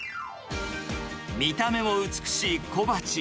見た目も美しい小鉢。